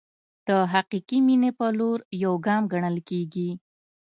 د حقیقي مینې په لور یو ګام ګڼل کېږي.